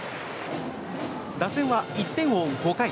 打線は１点を追う５回。